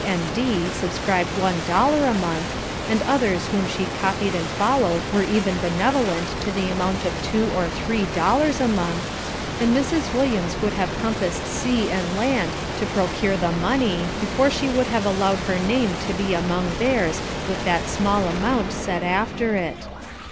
and D. subscribed one dollar a month, and others whom she copied and followed were even benevolent to the amount of two or three dollars a month, then Mrs. Williams would have compassed sea and land to procure the money, before she would have allowed her name to be among theirs with, that small amount set after it.